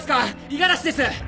五十嵐です！